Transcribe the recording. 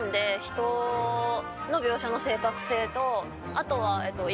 あとは。